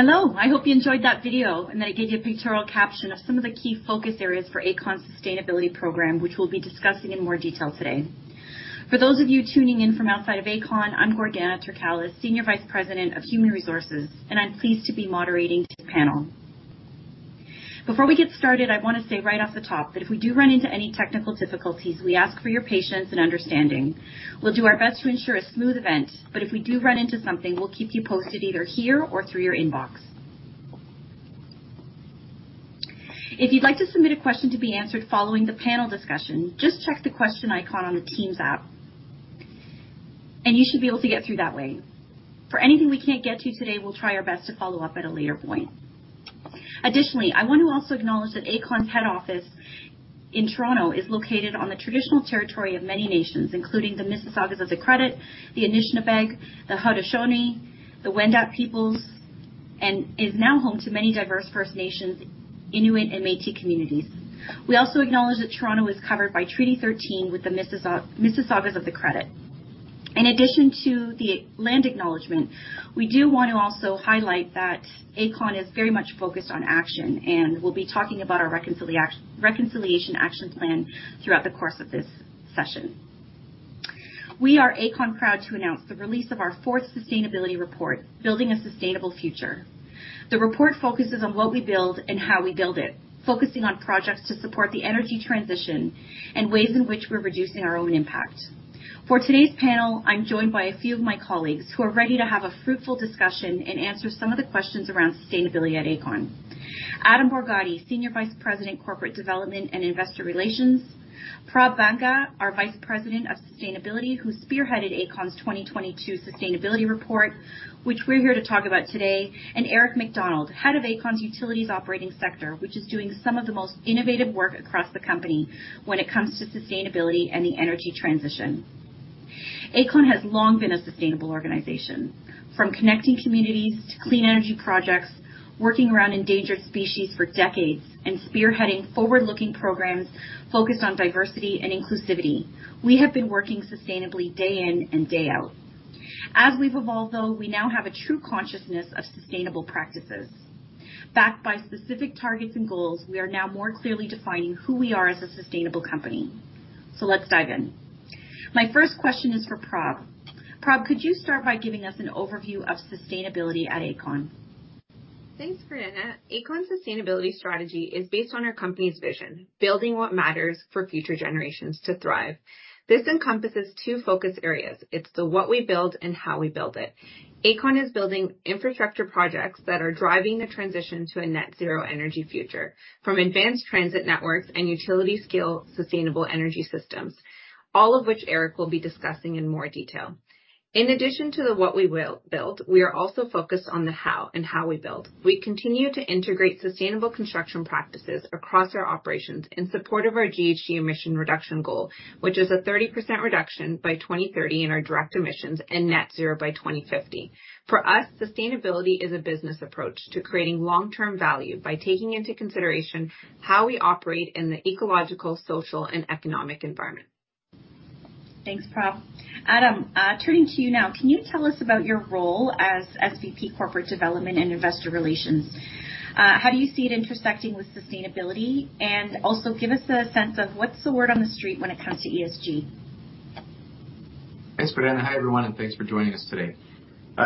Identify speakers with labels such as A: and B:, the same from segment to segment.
A: Hello. I hope you enjoyed that video and that it gave you a pictorial caption of some of the key focus areas for Aecon's sustainability program, which we'll be discussing in more detail today. For those of you tuning in from outside of Aecon, I'm Gordana Terkalas, Senior Vice President of Human Resources, and I'm pleased to be moderating today's panel. Before we get started, I want to say right off the top that if we do run into any technical difficulties, we ask for your patience and understanding. We'll do our best to ensure a smooth event, but if we do run into something, we'll keep you posted either here or through your inbox. If you'd like to submit a question to be answered following the panel discussion, just check the question icon on the Teams app, and you should be able to get through that way. For anything we can't get to today, we'll try our best to follow up at a later point. Additionally, I want to also acknowledge that Aecon's head office in Toronto is located on the traditional territory of many nations, including the Mississaugas of the Credit, the Anishinaabe, the Haudenosaunee, the Wendat peoples, and is now home to many diverse First Nations, Inuit and Métis communities. We also acknowledge that Toronto is covered by Treaty 13 with the Mississaugas of the Credit. In addition to the land acknowledgement, we do want to also highlight that Aecon is very much focused on action, and we'll be talking about our Reconciliation Action Plan throughout the course of this session. We are Aecon proud to announce the release of our fourth sustainability report, Building a Sustainable Future. The report focuses on what we build and how we build it, focusing on projects to support the energy transition and ways in which we're reducing our own impact. For today's panel, I'm joined by a few of my colleagues who are ready to have a fruitful discussion and answer some of the questions around sustainability at Aecon. Adam Borgatti, Senior Vice President, Corporate Development and Investor Relations. Prabh Banga, our Vice President of Sustainability, who spearheaded Aecon's 2022 sustainability report, which we're here to talk about today. Eric MacDonald, head of Aecon's Utilities Operating Sector, which is doing some of the most innovative work across the company when it comes to sustainability and the energy transition. Aecon has long been a sustainable organization. From connecting communities to clean energy projects, working around endangered species for decades, and spearheading forward-looking programs focused on diversity and inclusivity. We have been working sustainably day in and day out. As we've evolved, though, we now have a true consciousness of sustainable practices. Backed by specific targets and goals, we are now more clearly defining who we are as a sustainable company. Let's dive in. My first question is for Prabh. Prabh, could you start by giving us an overview of sustainability at Aecon?
B: Thanks, Gordana. Aecon's sustainability strategy is based on our company's vision, building what matters for future generations to thrive. This encompasses two focus areas. It's the what we build and how we build it. Aecon is building infrastructure projects that are driving the transition to a net zero energy future from advanced transit networks and utility scale sustainable energy systems, all of which Eric will be discussing in more detail. In addition to the what we will build, we are also focused on the how and how we build. We continue to integrate sustainable construction practices across our operations in support of our GHG emission reduction goal, which is a 30% reduction by 2030 in our direct emissions and net zero by 2050. For us, sustainability is a business approach to creating long-term value by taking into consideration how we operate in the ecological, social, and economic environment.
A: Thanks, Prabh. Adam, turning to you now. Can you tell us about your role as SVP Corporate Development and Investor Relations? How do you see it intersecting with sustainability? Also, give us a sense of what's the word on the street when it comes to ESG?
C: Thanks, Gordana. Hi, everyone, and thanks for joining us today.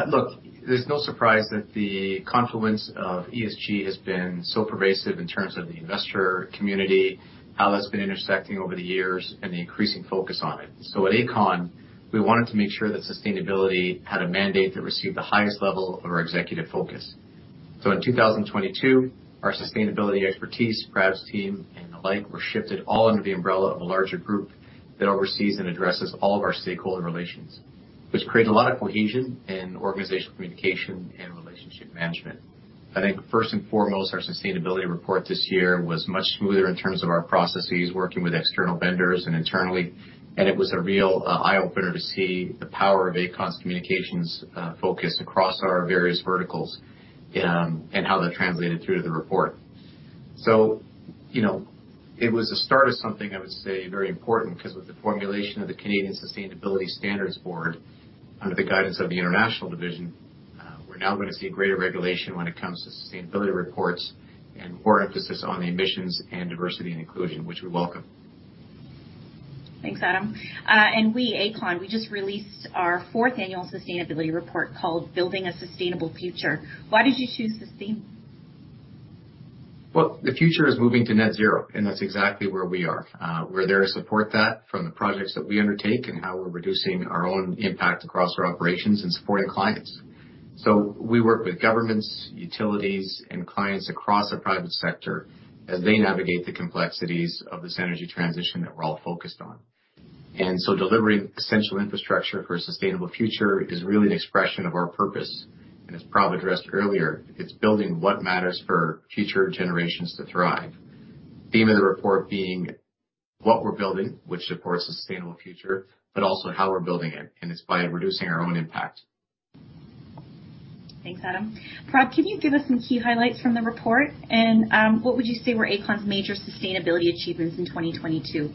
C: Look, there's no surprise that the confluence of ESG has been so pervasive in terms of the investor community, how that's been intersecting over the years, and the increasing focus on it. At Aecon, we wanted to make sure that sustainability had a mandate that received the highest level of our executive focus. In 2022, our sustainability expertise, Prabh's team and the like, were shifted all under the umbrella of a larger group that oversees and addresses all of our stakeholder relations, which created a lot of cohesion in organizational communication and relationship management. I think first and foremost, our sustainability report this year was much smoother in terms of our processes, working with external vendors and internally, and it was a real eye-opener to see the power of Aecon's communications focus across our various verticals, and how that translated through to the report. You know, it was the start of something, I would say, very important 'cause with the formulation of the Canadian Sustainability Standards Board, under the guidance of the international division, we're now gonna see greater regulation when it comes to sustainability reports and more emphasis on the emissions and diversity and inclusion, which we welcome.
A: Thanks, Adam. we, Aecon, just released our 4th Annual Sustainability Report called Building a Sustainable Future. Why did you choose this theme?
C: The future is moving to net zero, and that's exactly where we are. We're there to support that from the projects that we undertake and how we're reducing our own impact across our operations and supporting clients. We work with governments, utilities, and clients across the private sector as they navigate the complexities of this energy transition that we're all focused on. Delivering essential infrastructure for a sustainable future is really an expression of our purpose. As Prabh addressed earlier, it's building what matters for future generations to thrive. Theme of the report being what we're building, which of course is a sustainable future, but also how we're building it, and it's by reducing our own impact.
A: Thanks, Adam. Prabh, can you give us some key highlights from the report? What would you say were Aecon's major sustainability achievements in 2022?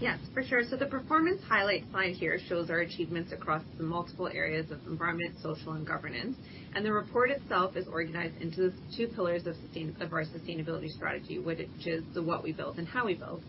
B: Yes, for sure. The performance highlight slide here shows our achievements across the multiple areas of environment, social, and governance. The report itself is organized into two pillars of our sustainability strategy, which is the what we build and how we build.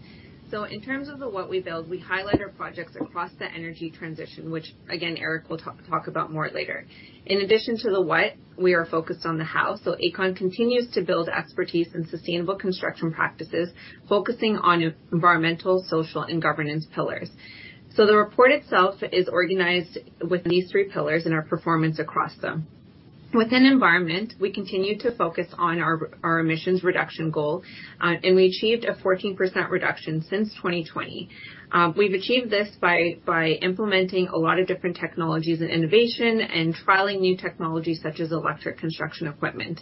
B: In terms of the what we build, we highlight our projects across the energy transition, which again, Eric will talk about more later. In addition to the what, we are focused on the how. Aecon continues to build expertise in sustainable construction practices, focusing on environmental, social, and governance pillars. The report itself is organized with these three pillars and our performance across them. Within environment, we continue to focus on our emissions reduction goal, and we achieved a 14% reduction since 2020. We've achieved this by implementing a lot of different technologies and innovation and trialing new technologies such as electric construction equipment.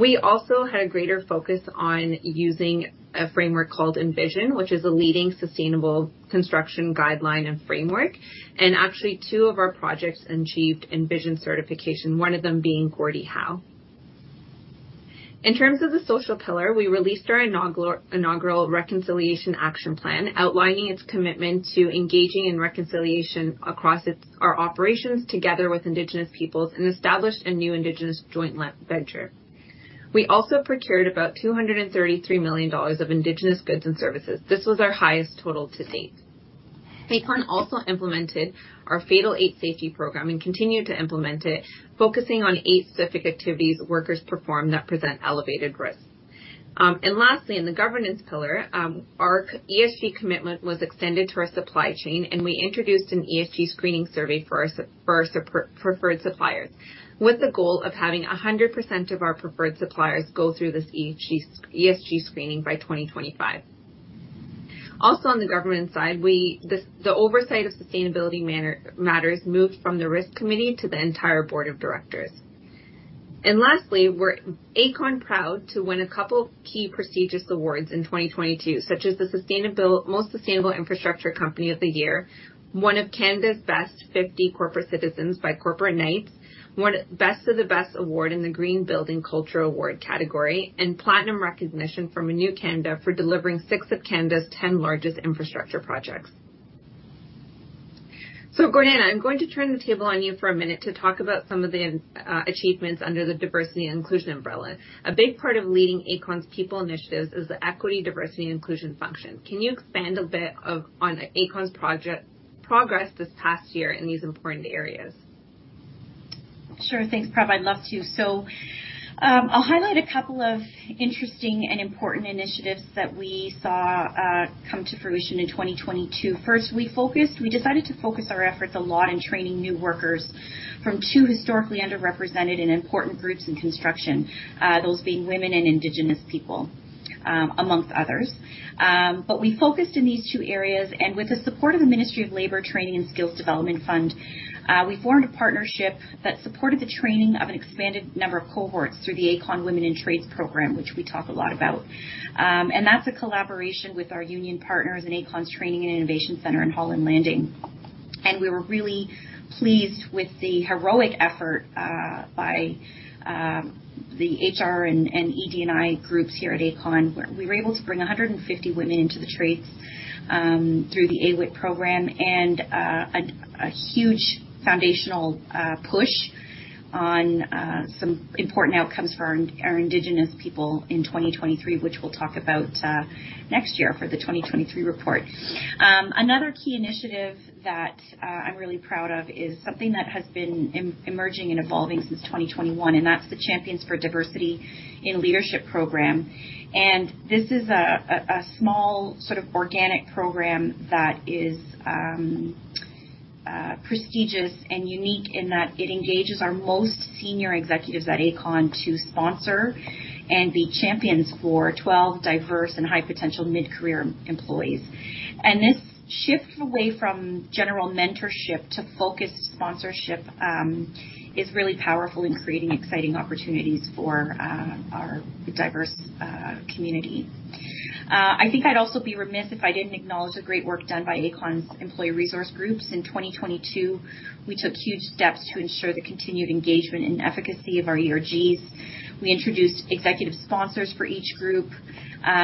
B: We also had a greater focus on using a framework called Envision, which is a leading sustainable construction guideline and framework. Actually 2 of our projects achieved Envision certification, one of them being Gordie Howe. In terms of the social pillar, we released our inaugural Reconciliation Action Plan, outlining its commitment to engaging in reconciliation across our operations together with Indigenous Peoples and established a new indigenous joint venture. We also procured about $233 million of Indigenous goods and services. This was our highest total to date. Aecon also implemented our Fatal Eight safety program and continued to implement it, focusing on 8 specific activities workers perform that present elevated risks. Lastly, in the governance pillar, our ESG commitment was extended to our supply chain, and we introduced an ESG screening survey for our preferred suppliers, with the goal of having 100% of our preferred suppliers go through this ESG screening by 2025. On the government side, the oversight of sustainability matters moved from the risk committee to the entire board of directors. Lastly, we're Aecon proud to win a couple key prestigious awards in 2022, such as the Most Sustainable Infrastructure Company of the Year, one of Canada's Best 50 Corporate Citizens by Corporate Knights, one Best of the Best award in the Green Building Culture Award category, and platinum recognition from ReNew Canada for delivering six of Canada's 10 largest infrastructure projects. Gordana, I'm going to turn the table on you for a minute to talk about some of the achievements under the diversity and inclusion umbrella. A big part of leading Aecon's people initiatives is the equity, diversity, and inclusion function. Can you expand on Aecon's progress this past year in these important areas?
A: Sure. Thanks, Prab. I'd love to. I'll highlight a couple of interesting and important initiatives that we saw come to fruition in 2022. First, we decided to focus our efforts a lot in training new workers from two historically underrepresented and important groups in construction, those being women and Indigenous Peoples amongst others. We focused in these two areas, and with the support of the Ministry of Labour, Immigration, Training and Skills Development, we formed a partnership that supported the training of an expanded number of cohorts through the Aecon Women in Trades program, which we talk a lot about. That's a collaboration with our union partners in Aecon's Training and Innovation Center in Holland Landing. We were really pleased with the heroic effort by the HR and ED&I groups here at Aecon, where we were able to bring 150 women into the trades through the AWIT program and a huge foundational push on some important outcomes for our Indigenous Peoples in 2023, which we'll talk about next year for the 2023 report. Another key initiative that I'm really proud of is something that has been emerging and evolving since 2021, and that's the Champions for Diversity in Leadership program. This is a small, sort of organic program that is prestigious and unique in that it engages our most senior executives at Aecon to sponsor and be champions for 12 diverse and high potential mid-career employees. This shift away from general mentorship to focused sponsorship is really powerful in creating exciting opportunities for our diverse community. I think I'd also be remiss if I didn't acknowledge the great work done by Aecon's Employee Resource Groups in 2022. We took huge steps to ensure the continued engagement and efficacy of our ERGs. We introduced executive sponsors for each group.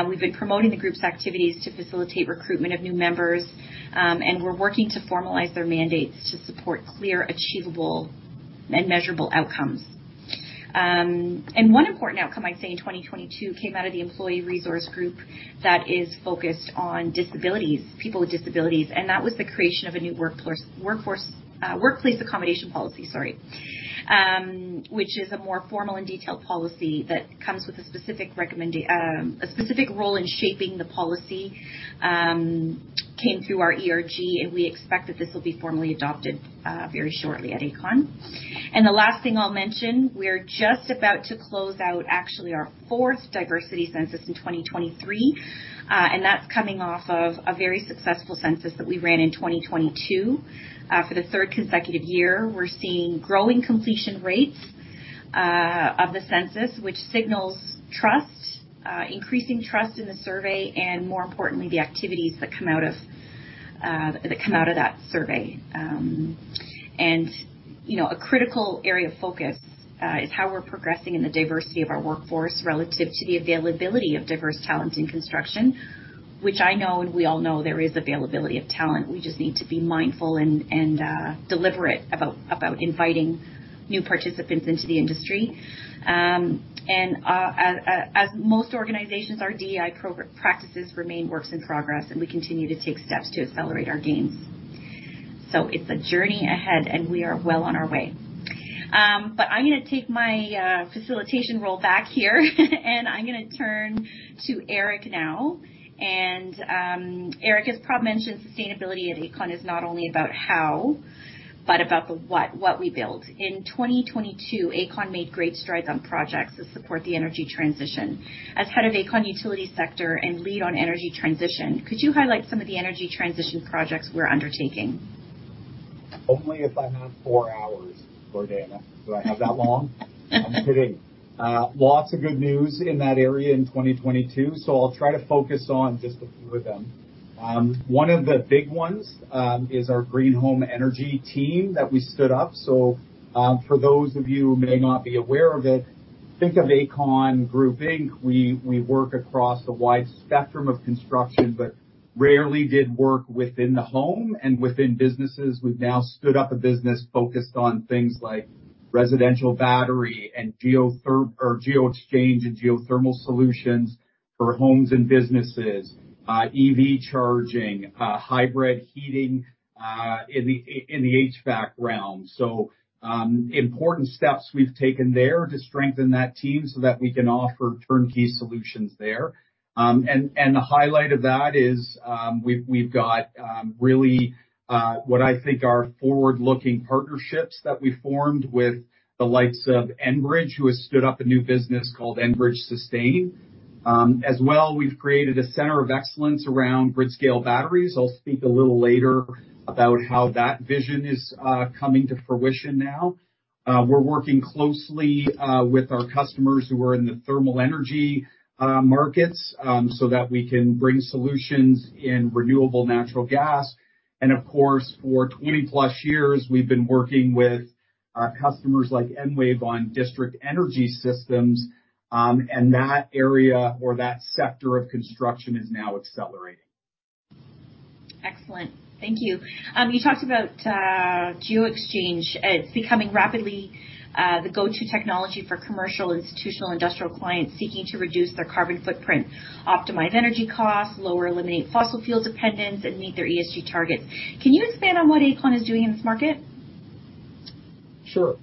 A: We've been promoting the group's activities to facilitate recruitment of new members, and we're working to formalize their mandates to support clear, achievable, and measurable outcomes. One important outcome, I'd say, in 2022 came out of the Employee Resource Group that is focused on disabilities, people with disabilities, that was the creation of a new workforce workplace accommodation policy, which is a more formal and detailed policy that comes with a specific role in shaping the policy, came through our ERG, and we expect that this will be formally adopted very shortly at Aecon. The last thing I'll mention, we're just about to close out actually our fourth diversity census in 2023, and that's coming off of a very successful census that we ran in 2022. For the third consecutive year, we're seeing growing completion rates of the census, which signals trust, increasing trust in the survey and more importantly, the activities that come out of that survey. You know, a critical area of focus is how we're progressing in the diversity of our workforce relative to the availability of diverse talent in construction, which I know and we all know there is availability of talent. We just need to be mindful and deliberate about inviting new participants into the industry. As most organizations, our DEI practices remain works in progress, and we continue to take steps to accelerate our gains. It's a journey ahead, and we are well on our way. I'm gonna take my facilitation role back here, and I'm gonna turn to Eric now. Eric, as Prabh mentioned, sustainability at Aecon is not only about how but about the what we build. In 2022, Aecon made great strides on projects to support the energy transition. As head of Aecon utility sector and lead on energy transition, could you highlight some of the energy transition projects we're undertaking?
D: Only if I have 4 hours, Gordana. Do I have that long? I'm kidding. Lots of good news in that area in 2022, I'll try to focus on just a few of them. One of the big ones is our Green Energy Solutions team that we stood up. For those of you who may not be aware of it, think of Aecon Group Inc. We work across a wide spectrum of construction but rarely did work within the home and within businesses. We've now stood up a business focused on things like residential battery and GeoExchange and geothermal solutions for homes and businesses, EV charging, hybrid heating in the HVAC realm. Important steps we've taken there to strengthen that team so that we can offer turnkey solutions there. The highlight of that is, we've got really what I think are forward-looking partnerships that we formed with the likes of Enbridge, who has stood up a new business called Enbridge Sustain. As well, we've created a center of excellence around grid-scale batteries. I'll speak a little later about how that vision is coming to fruition now. We're working closely with our customers who are in the thermal energy markets so that we can bring solutions in renewable natural gas. Of course, for 20+ years, we've been working with our customers like Enwave on district energy systems, and that area or that sector of construction is now accelerating.
A: Excellent. Thank you. You talked about GeoExchange. It's becoming rapidly the go-to technology for commercial, institutional, industrial clients seeking to reduce their carbon footprint, optimize energy costs, lower or eliminate fossil fuel dependence, and meet their ESG targets. Can you expand on what Aecon is doing in this market?
D: Sure.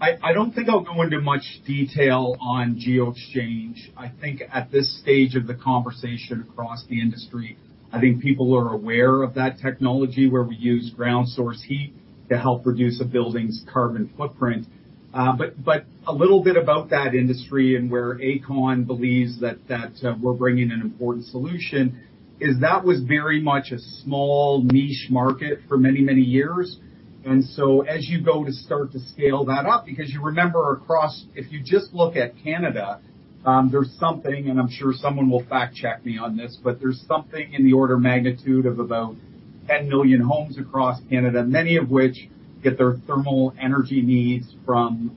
D: I don't think I'll go into much detail on GeoExchange. I think at this stage of the conversation across the industry, I think people are aware of that technology where we use ground source heat to help reduce a building's carbon footprint. But a little bit about that industry and where Aecon believes that we're bringing an important solution is that was very much a small niche market for many, many years. As you go to start to scale that up, because you remember across. If you just look at Canada, there's something, and I'm sure someone will fact-check me on this, but there's something in the order of magnitude of about 10 million homes across Canada, many of which get their thermal energy needs from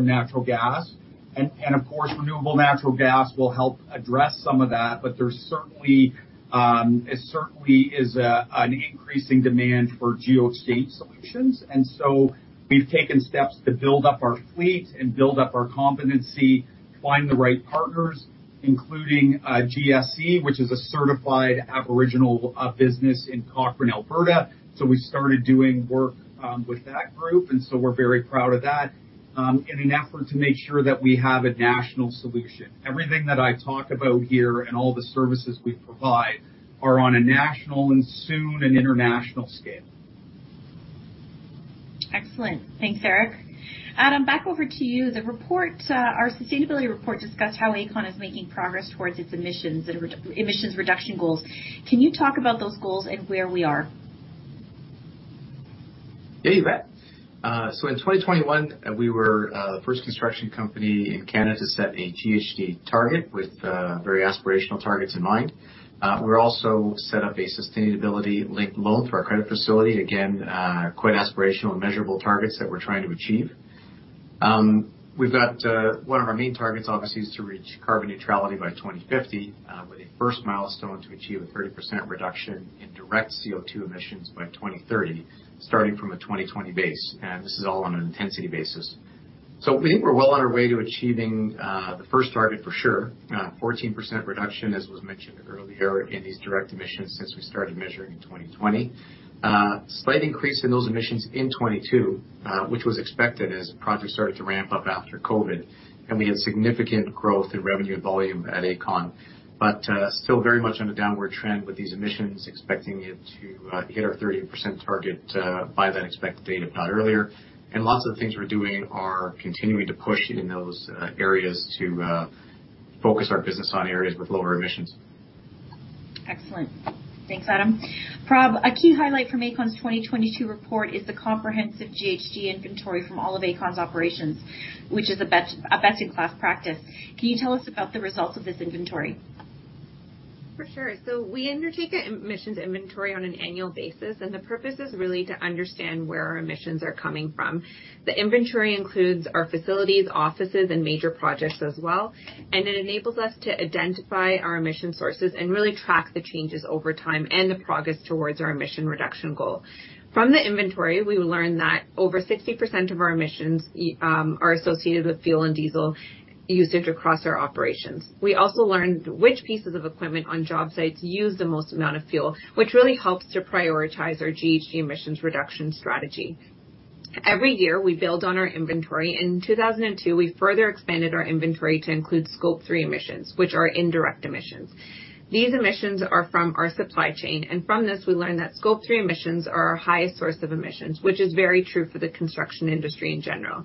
D: natural gas. Of course, renewable natural gas will help address some of that, but there's certainly, it certainly is an increasing demand for GeoExchange solutions. We've taken steps to build up our fleet and build up our competency, find the right partners, including GSE, which is a certified Aboriginal business in Cochrane, Alberta. We started doing work with that group, we're very proud of that in an effort to make sure that we have a national solution. Everything that I've talked about here and all the services we provide are on a national and soon an international scale.
A: Excellent. Thanks, Eric. Adam, back over to you. The report, our sustainability report discussed how Aecon is making progress towards its emissions and emissions reduction goals. Can you talk about those goals and where we are?
C: You bet. So in 2021, we were the first construction company in Canada to set a GHG target with very aspirational targets in mind. We're also set up a sustainability-linked loan through our credit facility. Again, quite aspirational and measurable targets that we're trying to achieve. We've got one of our main targets obviously is to reach carbon neutrality by 2050 with a first milestone to achieve a 30% reduction in direct CO2 emissions by 2030, starting from a 2020 base. This is all on an intensity basis. We think we're well on our way to achieving the first target for sure. 14% reduction, as was mentioned earlier, in these direct emissions since we started measuring in 2020. Slight increase in those emissions in 2022, which was expected as projects started to ramp up after COVID, and we had significant growth in revenue volume at Aecon. Still very much on a downward trend with these emissions, expecting it to hit our 30% target by that expected date, if not earlier. Lots of the things we're doing are continuing to push it in those areas to focus our business on areas with lower emissions.
A: Excellent. Thanks, Adam. Prab, a key highlight from Aecon's 2022 report is the comprehensive GHG inventory from all of Aecon's operations, which is a best in class practice. Can you tell us about the results of this inventory?
B: For sure. We undertake a emissions inventory on an annual basis, and the purpose is really to understand where our emissions are coming from. The inventory includes our facilities, offices, and major projects as well, and it enables us to identify our emission sources and really track the changes over time and the progress towards our emission reduction goal. From the inventory, we learned that over 60% of our emissions are associated with fuel and diesel usage across our operations. We also learned which pieces of equipment on job sites use the most amount of fuel, which really helps to prioritize our GHG emissions reduction strategy. Every year, we build on our inventory. In 2002, we further expanded our inventory to include Scope 3 emissions, which are indirect emissions. These emissions are from our supply chain. From this we learned that Scope 3 emissions are our highest source of emissions, which is very true for the construction industry in general.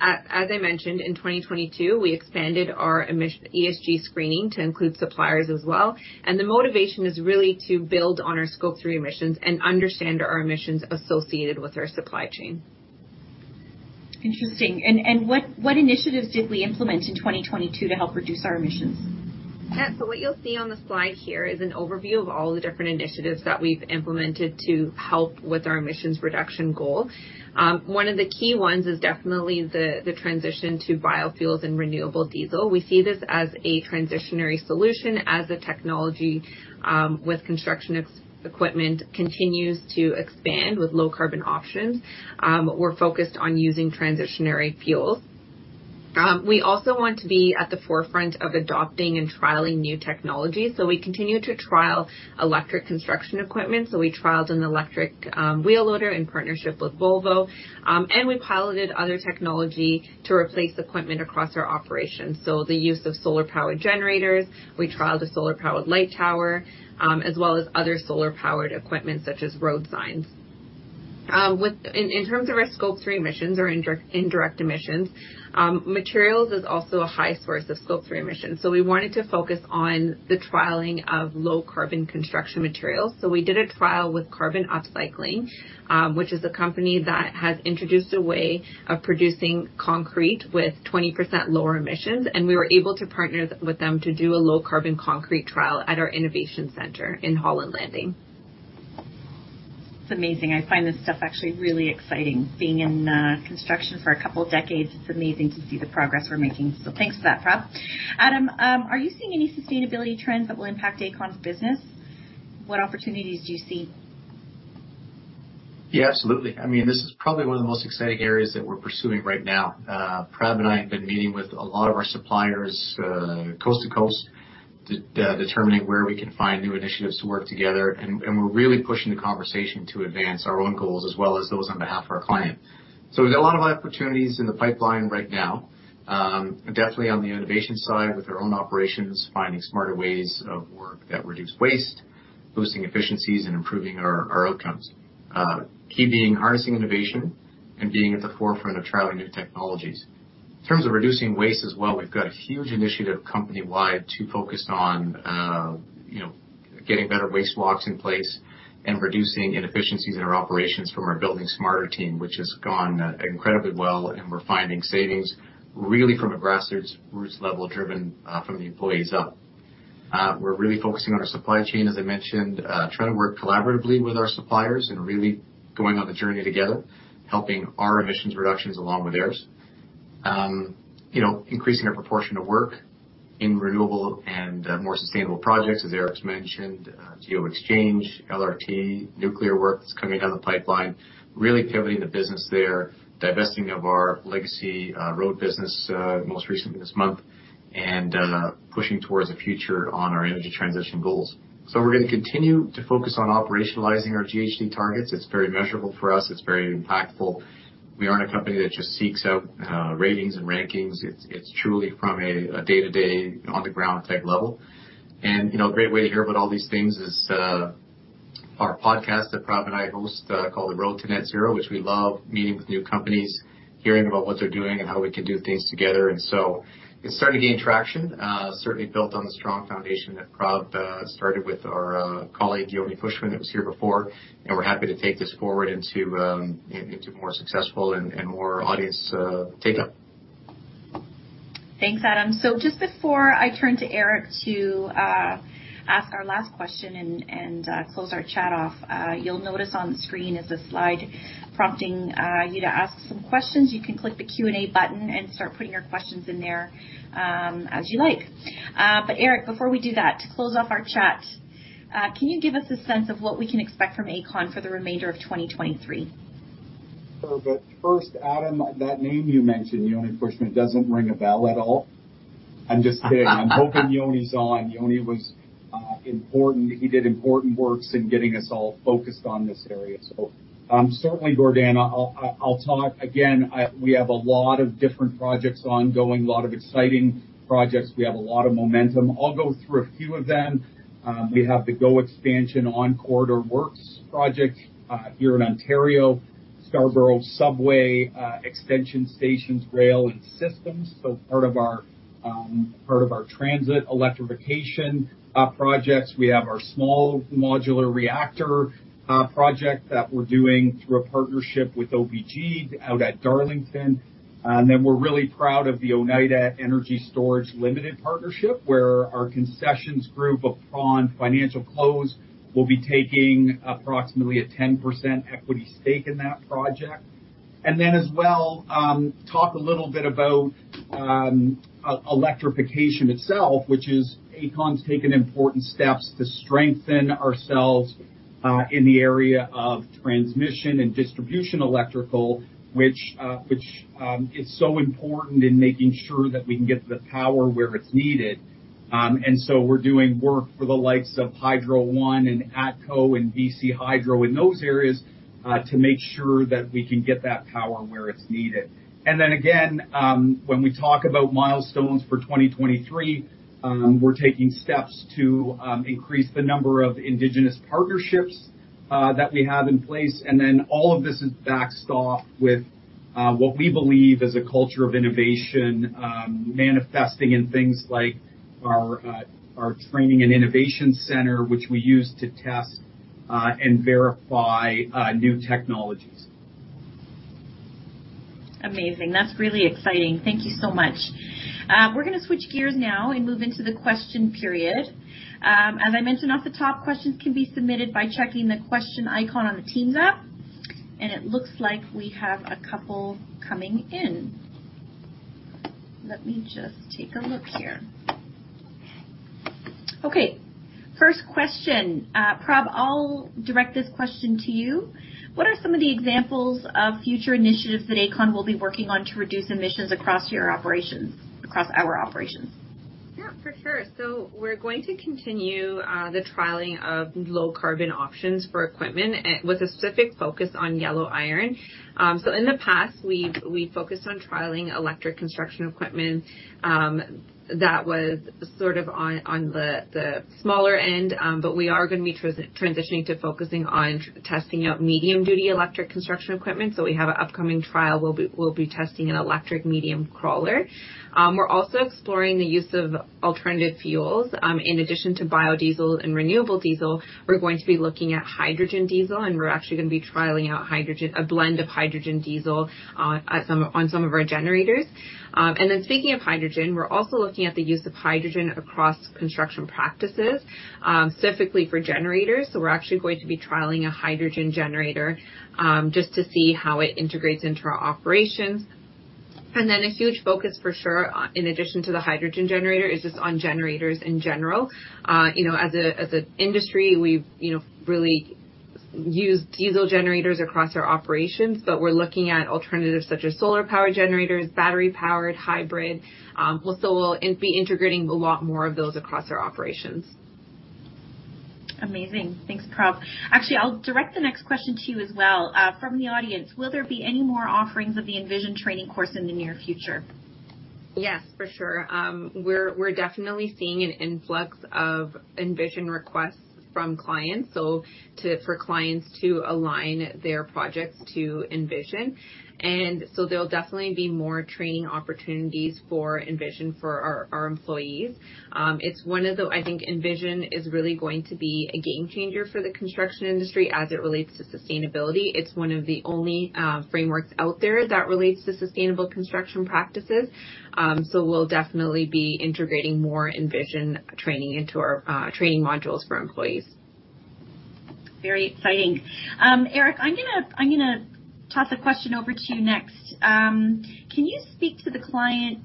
B: As I mentioned, in 2022, we expanded our ESG screening to include suppliers as well. The motivation is really to build on our Scope 3 emissions and understand our emissions associated with our supply chain.
A: Interesting. What initiatives did we implement in 2022 to help reduce our emissions?
B: Yeah. What you'll see on the slide here is an overview of all the different initiatives that we've implemented to help with our emissions reduction goal. One of the key ones is definitely the transition to biofuels and renewable diesel. We see this as a transitionary solution as the technology with construction equipment continues to expand with low carbon options. We're focused on using transitionary fuels. We also want to be at the forefront of adopting and trialing new technology, so we continue to trial electric construction equipment. We trialed an electric wheel loader in partnership with Volvo. We piloted other technology to replace equipment across our operations. The use of solar powered generators. We trialed a solar powered light tower, as well as other solar powered equipment such as road signs. In terms of our Scope 3 emissions or indirect emissions, materials is also a high source of Scope 3 emissions. We wanted to focus on the trialing of low-carbon construction materials. We did a trial with Carbon Upcycling, which is a company that has introduced a way of producing concrete with 20% lower emissions, and we were able to partner with them to do a low-carbon concrete trial at our innovation center in Holland Landing.
A: It's amazing. I find this stuff actually really exciting. Being in construction for a couple decades, it's amazing to see the progress we're making, so thanks for that, Prab. Adam, are you seeing any sustainability trends that will impact Aecon's business? What opportunities do you see?
C: Yeah, absolutely. I mean, this is probably one of the most exciting areas that we're pursuing right now. Prabh and I have been meeting with a lot of our suppliers, coast to coast to determine where we can find new initiatives to work together, and we're really pushing the conversation to advance our own goals as well as those on behalf of our client. We've got a lot of opportunities in the pipeline right now. Definitely on the innovation side with our own operations, finding smarter ways of work that reduce waste, boosting efficiencies, and improving our outcomes. Key being harnessing innovation and being at the forefront of trialing new technologies. In terms of reducing waste as well, we've got a huge initiative company-wide too focused on, you know, getting better waste walks in place and reducing inefficiencies in our operations from our Building Smarter team, which has gone incredibly well, and we're finding savings really from a grassroots level, driven from the employees up. We're really focusing on our supply chain, as I mentioned. Trying to work collaboratively with our suppliers and really going on the journey together, helping our emissions reductions along with theirs. You know, increasing our proportion of work in renewable and more sustainable projects. As Eric's mentioned, GeoExchange, LRT, nuclear work that's coming down the pipeline, really pivoting the business there, divesting of our legacy road business, most recently this month, and pushing towards the future on our energy transition goals. We're gonna continue to focus on operationalizing our GHG targets. It's very measurable for us. It's very impactful. We aren't a company that just seeks out ratings and rankings. It's truly from a day-to-day, on-the-ground type level. You know, a great way to hear about all these things is our podcast that Prab and I host, called The Road to Net-Zero, which we love meeting with new companies, hearing about what they're doing and how we can do things together. It's starting to gain traction, certainly built on the strong foundation that Prab started with our colleague, Yoni Pushkin, that was here before. We're happy to take this forward into more successful and more audience take-up.
A: Thanks, Adam. Just before I turn to Eric to ask our last question and close our chat off, you'll notice on the screen is a slide prompting you to ask some questions. You can click the Q&A button and start putting your questions in there as you like. Eric, before we do that, to close off our chat, can you give us a sense of what we can expect from Aecon for the remainder of 2023?
D: First, Adam, that name you mentioned, Yoni Pushkin, doesn't ring a bell at all? I'm just kidding. I'm hoping Yoni's on. Yoni was important. He did important works in getting us all focused on this area. Certainly, Gordana, I'll talk again. We have a lot of different projects ongoing, a lot of exciting projects. We have a lot of momentum. I'll go through a few of them. We have the GO Expansion On-Corridor Works project here in Ontario. Scarborough subway extension stations, rail, and systems. Part of our transit electrification projects. We have our small modular reactor project that we're doing through a partnership with OPG out at Darlington. We're really proud of the Oneida Energy Storage Limited Partnership, where our concessions group, upon financial close, will be taking approximately a 10% equity stake in that project. As well, talk a little bit about electrification itself, which is Aecon's taken important steps to strengthen ourselves in the area of transmission and distribution electrical, which is so important in making sure that we can get the power where it's needed. We're doing work for the likes of Hydro One and ATCO and BC Hydro in those areas to make sure that we can get that power where it's needed. Again, when we talk about milestones for 2023, we're taking steps to increase the number of Indigenous partnerships that we have in place. All of this is backed off with what we believe is a culture of innovation, manifesting in things like our training and innovation center, which we use to test and verify new technologies.
A: Amazing. That's really exciting. Thank you so much. We're gonna switch gears now and move into the question period. As I mentioned off the top, questions can be submitted by checking the question icon on the Teams app. It looks like we have a couple coming in. Let me just take a look here. Okay, first question. Prabh, I'll direct this question to you. What are some of the examples of future initiatives that Aecon will be working on to reduce emissions across our operations?
B: Yeah, for sure. We're going to continue the trialing of low-carbon options for equipment with a specific focus on yellow iron. In the past, we focused on trialing electric construction equipment that was sort of on the smaller end. But we are going to be transitioning to focusing on testing out medium duty electric construction equipment. We have an upcoming trial where we'll be testing an electric medium crawler. We're also exploring the use of alternative fuels. In addition to biodiesel and renewable diesel, we're going to be looking at hydrogen diesel, and we're actually going to be trialing out a blend of hydrogen diesel on some of our generators. And then speaking of hydrogen, we're also looking at the use of hydrogen across construction practices, specifically for generators. We're actually going to be trialing a hydrogen generator, just to see how it integrates into our operations. A huge focus for sure, in addition to the hydrogen generator, is just on generators in general. you know, as a industry, we've, you know, really used diesel generators across our operations, but we're looking at alternatives such as solar power generators, battery-powered, hybrid. We'll be integrating a lot more of those across our operations.
A: Amazing. Thanks, Prabh. Actually, I'll direct the next question to you as well. From the audience: Will there be any more offerings of the Envision training course in the near future?
B: Yes, for sure. We're definitely seeing an influx of Envision requests from clients, for clients to align their projects to Envision. There'll definitely be more training opportunities for Envision for our employees. It's one of the... I think Envision is really going to be a game changer for the construction industry as it relates to sustainability. It's one of the only frameworks out there that relates to sustainable construction practices. We'll definitely be integrating more Envision training into our training modules for employees.
A: Very exciting. Eric, I'm gonna, I'm gonna toss a question over to you next. Can you speak to the client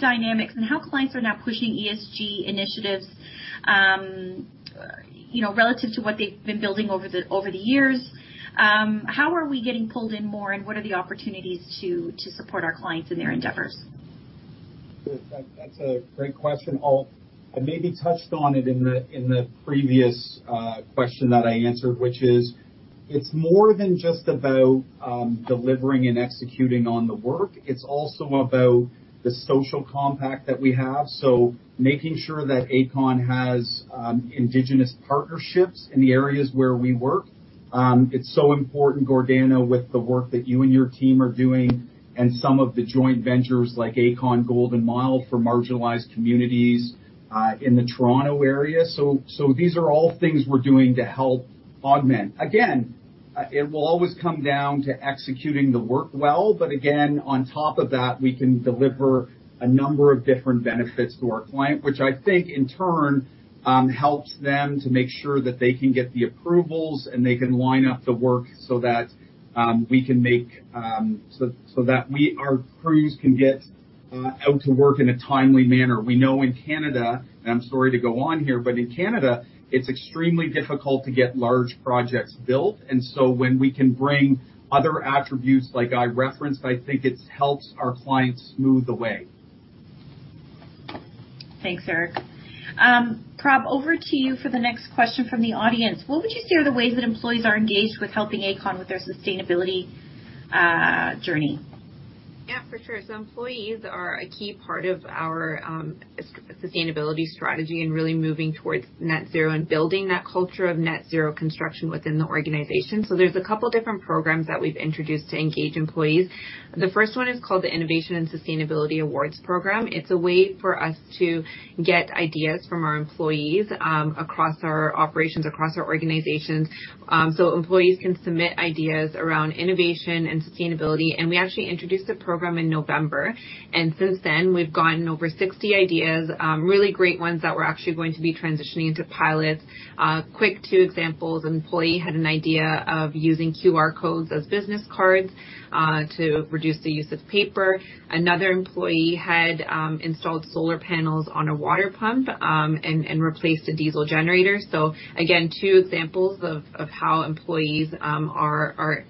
A: dynamics and how clients are now pushing ESG initiatives, you know, relative to what they've been building over the years? How are we getting pulled in more, and what are the opportunities to support our clients in their endeavors?
D: That's a great question. I maybe touched on it in the previous question that I answered, which is it's more than just about delivering and executing on the work. It's also about the social compact that we have. Making sure that Aecon has Indigenous partnerships in the areas where we work. It's so important, Gordana, with the work that you and your team are doing and some of the joint ventures like Aecon-Golden Mile for marginalized communities in the Toronto area. These are all things we're doing to help augment. Again, it will always come down to executing the work well, but again, on top of that, we can deliver a number of different benefits to our client, which I think in turn, helps them to make sure that they can get the approvals, and they can line up the work so that we, our crews can get out to work in a timely manner. We know in Canada, and I'm sorry to go on here, but in Canada it's extremely difficult to get large projects built. When we can bring other attributes like I referenced, I think it helps our clients smooth the way.
A: Thanks, Eric. Prabh, over to you for the next question from the audience. What would you say are the ways that employees are engaged with helping Aecon with their sustainability, journey?
B: Yeah, for sure. Employees are a key part of our sustainability strategy and really moving towards net zero and building that culture of net zero construction within the organization. There's a couple different programs that we've introduced to engage employees. The first one is called the Innovation and Sustainability Awards Program. It's a way for us to get ideas from our employees across our operations, across our organizations. Employees can submit ideas around innovation and sustainability. We actually introduced the program in November, and since then, we've gotten over 60 ideas, really great ones that we're actually going to be transitioning into pilots. Quick two examples. An employee had an idea of using QR codes as business cards to reduce the use of paper. Another employee had installed solar panels on a water pump, and replaced a diesel generator. Again, two examples of how employees are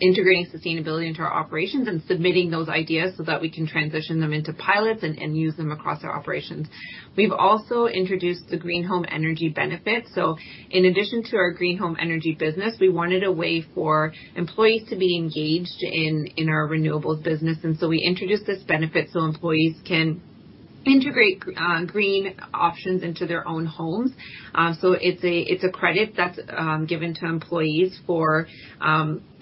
B: integrating sustainability into our operations and submitting those ideas so that we can transition them into pilots and use them across our operations. We've also introduced the Green Home Energy Benefit. In addition to our Green Energy Solutions business, we wanted a way for employees to be engaged in our renewables business. We introduced this benefit so employees can integrate green options into their own homes. It's a credit that's given to employees for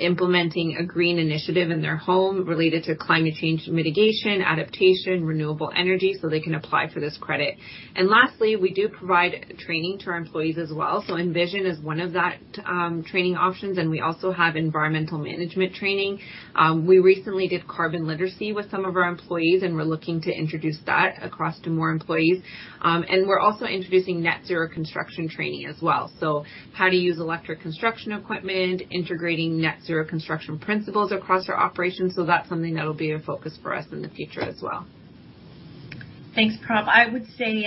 B: implementing a green initiative in their home related to climate change mitigation, adaptation, renewable energy, so they can apply for this credit. Lastly, we do provide training to our employees as well. Envision is one of that training options, and we also have environmental management training. We recently did carbon literacy with some of our employees, and we're looking to introduce that across to more employees. We're also introducing net zero construction training as well. How to use electric construction equipment, integrating net zero construction principles across our operations, so that's something that'll be a focus for us in the future as well.
A: Thanks, Prabh. I would say,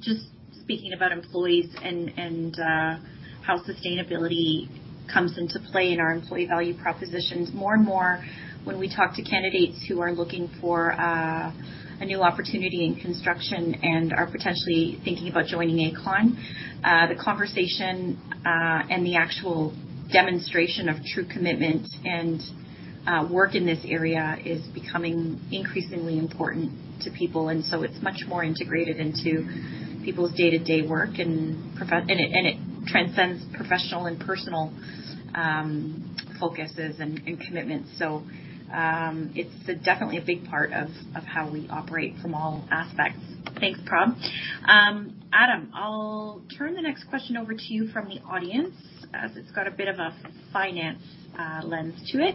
A: just speaking about employees and how sustainability comes into play in our employee value propositions. More and more, when we talk to candidates who are looking for a new opportunity in construction and are potentially thinking about joining Aecon, the conversation and the actual demonstration of true commitment and work in this area is becoming increasingly important to people. It's much more integrated into people's day-to-day work, and it transcends professional and personal focuses and commitments. It's definitely a big part of how we operate from all aspects. Thanks, Prabh. Adam, I'll turn the next question over to you from the audience, as it's got a bit of a finance lens to it.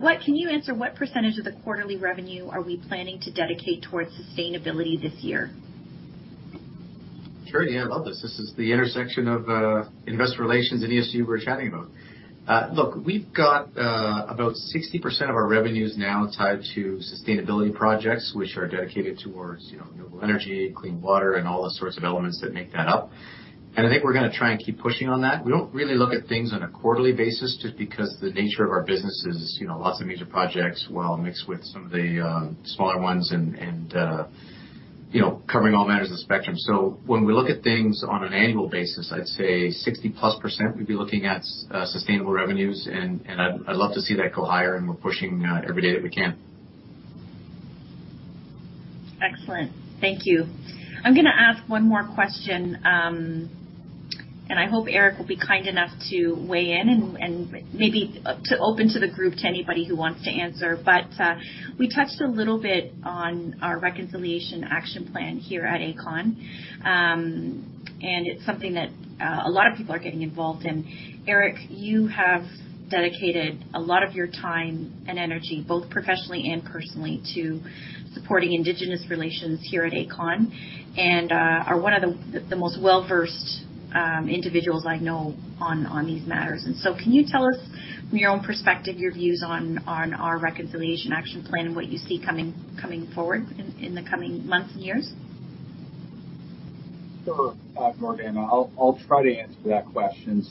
A: What. Can you answer what % of the quarterly revenue are we planning to dedicate towards sustainability this year?
C: Sure. Yeah, I love this. This is the intersection of investor relations and ESG we were chatting about. Look, we've got about 60% of our revenues now tied to sustainability projects, which are dedicated towards, you know, renewable energy, clean water, and all the sorts of elements that make that up. I think we're gonna try and keep pushing on that. We don't really look at things on a quarterly basis just because the nature of our business is, you know, lots of major projects while mixed with some of the smaller ones and, you know, covering all manners of spectrum. When we look at things on an annual basis, I'd say 60%-plus we'd be looking at sustainable revenues, and I'd love to see that go higher, and we're pushing every day that we can.
A: Excellent. Thank you. I'm gonna ask one more question. I hope Eric will be kind enough to weigh in and maybe to open to the group to anybody who wants to answer. We touched a little bit on our Reconciliation Action Plan here at Aecon. It's something that a lot of people are getting involved in. Eric, you have dedicated a lot of your time and energy, both professionally and personally, to supporting Indigenous relations here at Aecon and are one of the most well-versed individuals I know on these matters. Can you tell us from your own perspective, your views on our Reconciliation Action Plan and what you see coming forward in the coming months and years?
D: Gordana. I'll try to answer that question.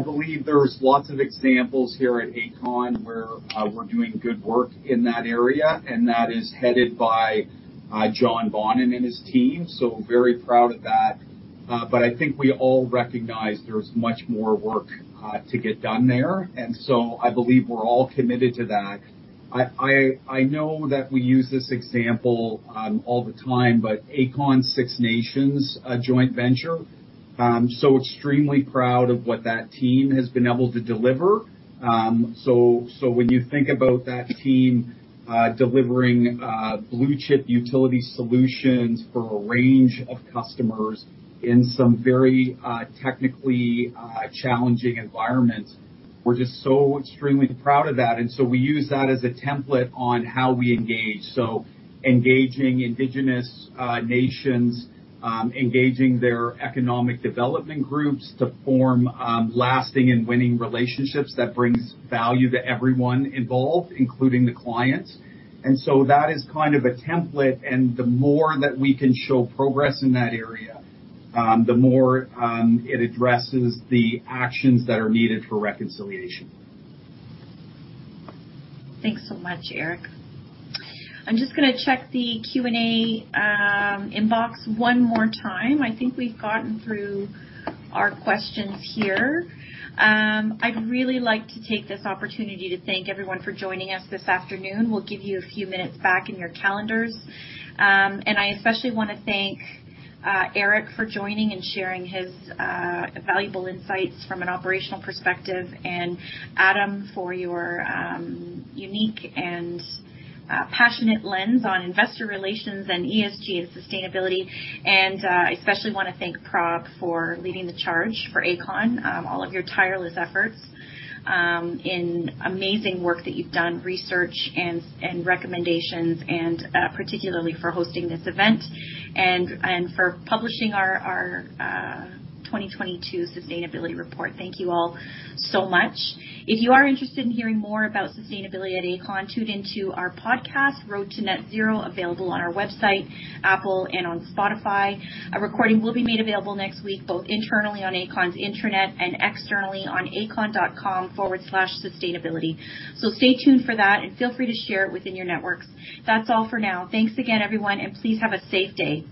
D: I believe there's lots of examples here at Aecon where we're doing good work in that area, and that is headed by John Bonin and his team, so very proud of that. I think we all recognize there's much more work to get done there. I believe we're all committed to that. I know that we use this example all the time, but Aecon-Six Nations, a joint venture, so extremely proud of what that team has been able to deliver. So when you think about that team delivering blue-chip utility solutions for a range of customers in some very technically challenging environments, we're just so extremely proud of that. We use that as a template on how we engage. Engaging Indigenous nations, engaging their economic development groups to form lasting and winning relationships that brings value to everyone involved, including the clients. That is kind of a template, and the more that we can show progress in that area, the more it addresses the actions that are needed for Reconciliation.
A: Thanks so much, Eric. I'm just gonna check the Q&A inbox one more time. I think we've gotten through our questions here. I'd really like to take this opportunity to thank everyone for joining us this afternoon. We'll give you a few minutes back in your calendars. I especially wanna thank Eric for joining and sharing his valuable insights from an operational perspective and Adam for your unique and passionate lens on investor relations and ESG and sustainability. I especially wanna thank Prabh for leading the charge for Aecon. All of your tireless efforts, in amazing work that you've done, research and recommendations, particularly for hosting this event and for publishing our 2022 sustainability report. Thank you all so much. If you are interested in hearing more about sustainability at Aecon, tune into our podcast, Road to Net-Zero, available on our website, Apple, and on Spotify. A recording will be made available next week, both internally on Aecon's intranet and externally on aecon.com/sustainability. Stay tuned for that and feel free to share it within your networks. That's all for now. Thanks again, everyone, and please have a safe day.